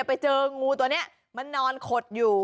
ไปเจองูตัวนี้มันนอนขดอยู่